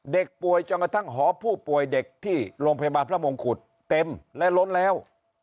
เด็กป่วยจนกระทั่งหอผู้ป่วยเด็กที่โรงพยาบาลพระมงกุฎเต็มและล้นแล้ว